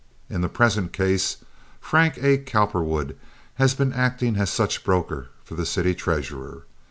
In the present case Frank A. Cowperwood has been acting as such broker for the city treasurer.